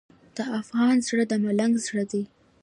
د افغان زړه د ملنګ زړه دی.